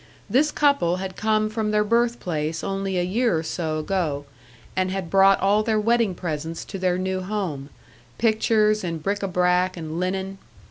This couple had come from their birth place only a year or so ago, and had brought all their wedding presents to their new home pictures and bric a brac and linen.